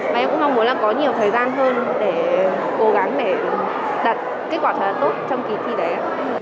mà em cũng mong muốn là có nhiều thời gian hơn để cố gắng để đạt kết quả thật tốt trong kỳ thi đấy